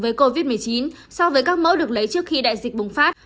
với covid một mươi chín so với các mẫu được lấy trước khi đại dịch bùng phát